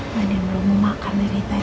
mana belum makan dari tadi